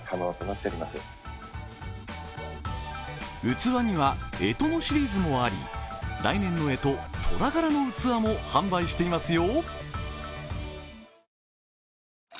器にはえとのシリーズもあり来年のえととら柄の器も販売していますよ。